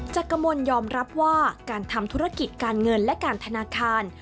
จักรมลยอมรับว่าการทำธุรกิจการเงินและการธนาคาร